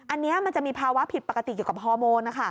อันนี้มันจะมีภาวะผิดปกติเกี่ยวกับฮอร์โมน